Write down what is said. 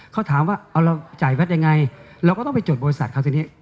เขาถามว่าเอาเราจ่ายแพทย์ยังไงเราก็ต้องไปจดบริษัทครับทีนี้